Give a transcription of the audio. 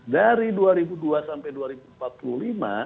dari dua ribu dua sampai dua ribu empat puluh lima